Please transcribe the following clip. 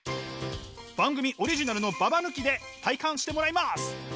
番組オリジナルのババ抜きで体感してもらいます。